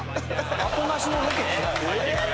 アポなしのロケって。